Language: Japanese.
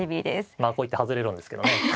まあこう言って外れるんですけどね。